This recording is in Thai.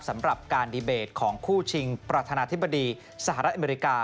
สำหรับการดีเบตของคู่ชิงประธานาธิบดีสหรัฐอเมริกา